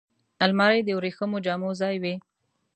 الماري د وریښمو جامو ځای وي